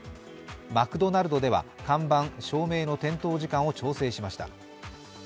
マクドナルドでは看板、照明の点灯時間を調整しました。